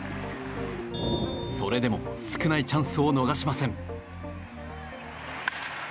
それでも少ないチャンスを逃しません。